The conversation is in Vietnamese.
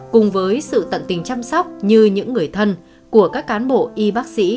cùng với sự tận tình chăm sóc như những người thân của các cán bộ y bác sĩ